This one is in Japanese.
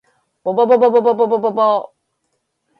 ぼぼぼぼぼぼぼぼぼぼ